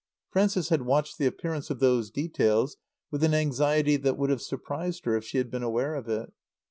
Frances had watched the appearance of those details with an anxiety that would have surprised her if she had been aware of it.